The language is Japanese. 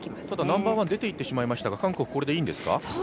ただ、ナンバーワン出ていってしまいましたが、韓国これでいいんですか。